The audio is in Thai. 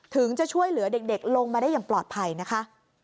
ถึงจะช่วยเหลือเด็กลงมาได้อย่างปลอดภัยนะคะ